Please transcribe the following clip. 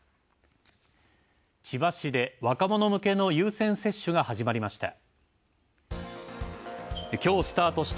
千葉市で若者向けの優先接種が始まりました。